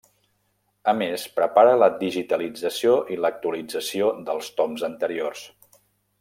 A més prepara la digitalització i l'actualització dels toms anteriors.